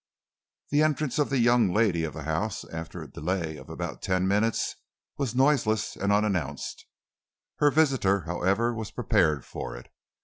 The entrance of the young lady of the house, after a delay of about ten minutes, was noiseless and unannounced. Her visitor, however, was prepared for it.